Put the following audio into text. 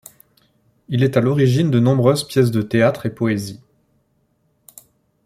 Il est à l'origine de nombreuses pièces de théâtre et poésies.